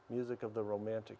musik dari era romantik